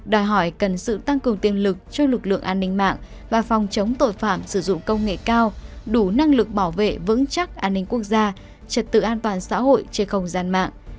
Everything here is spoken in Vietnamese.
đòi hỏi cần sự tăng cường tiêm lực cho lực lượng an ninh mạng và phòng chống tội phạm sử dụng công nghệ cao đủ năng lực bảo vệ vững chắc an ninh quốc gia trật tự an toàn xã hội trên không gian mạng